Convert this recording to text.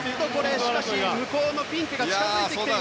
しかし向こうのフィンケが近づいてきています。